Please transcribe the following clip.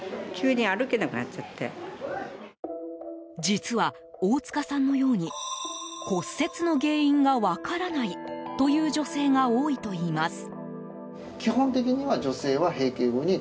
実は、大塚さんのように骨折の原因が分からないという女性が多いといいます。